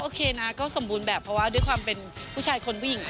โอเคนะก็สมบูรณ์แบบเพราะว่าด้วยความเป็นผู้ชายคนผู้หญิง